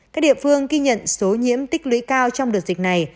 các địa phương ghi nhận số nhiễm tích lũy cao trong đợt dịch này